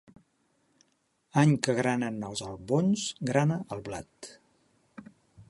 Any que granen els albons, grana el blat.